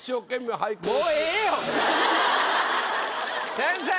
先生！